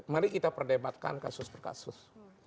mari kita perdebatkan kasus per kasus